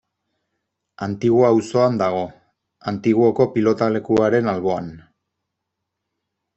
Antigua auzoan dago, Antiguoko pilotalekuaren alboan.